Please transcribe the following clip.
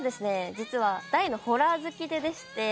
実は大のホラー好きでして。